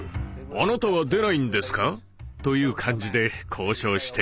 あなたは出ないんですか？」という感じで交渉していた。